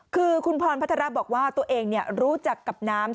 คือคุณพรพัฒระบอกว่าตัวเองรู้จักกับน้ำ